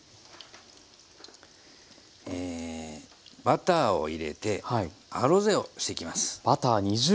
バターを入れてアロゼをしていきます。